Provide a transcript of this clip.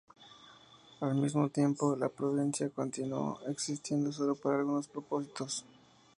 Al mismo tiempo, la provincia continuó existiendo solo para algunos propósitos.